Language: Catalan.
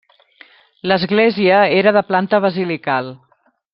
L'església era de planta basilical.